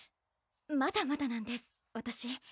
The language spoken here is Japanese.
まだまだなんですわたし